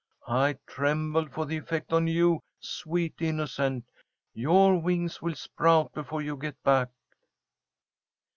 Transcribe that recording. I tremble for the effect on you, sweet innocent. Your wings will sprout before you get back."